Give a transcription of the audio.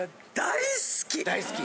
大好き。